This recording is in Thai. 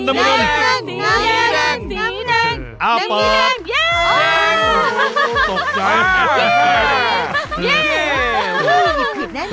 น้ำเงินจะตกใจมาก